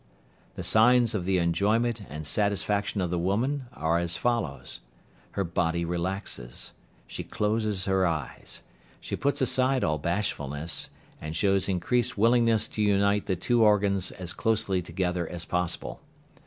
The signs of the enjoyment and satisfaction of the women are as follows: her body relaxes, she closes her eyes, she puts aside all bashfulness, and shows increased willingness to unite the two organs as closely together as possible.